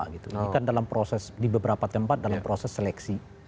ini kan dalam proses di beberapa tempat dalam proses seleksi